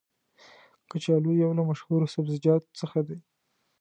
کچالو یو له مشهورو سبزیجاتو څخه دی.